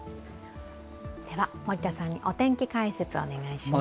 森田さんにお天気解説お願いします。